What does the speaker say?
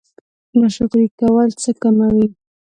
ناشکري کول څه کموي؟